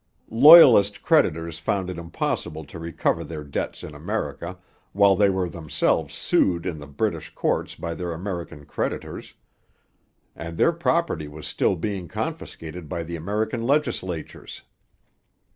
Loyalist creditors found it impossible to recover their debts in America, while they were themselves sued in the British courts by their American creditors, and their property was still being confiscated by the American legislatures.